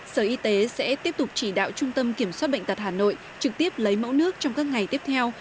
sở y tế sẽ tiếp tục chỉ đạo trung tâm kiểm soát bệnh tật hà nội trực tiếp lấy mẫu nước trong các ngày tiếp theo